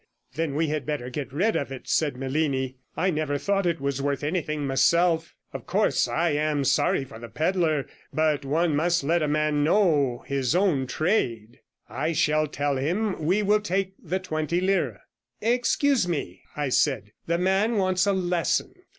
"Then we had better get rid of it," said Melini. "I never thought it was worth anything myself. Of course, I am sorry for the pedlar, but one must let a man know his own trade. I shall tell him we will take the twenty lire." "Excuse me," I said, "the man wants a lesson.